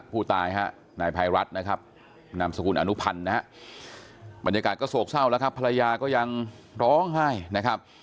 ผู้ตายนายไพรัฐสูคุณอนุพันธ์บรรยากาศก็โศกเศร้าและภรรยาก็ยังร้องไห้